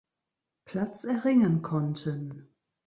Platz erringen konnten.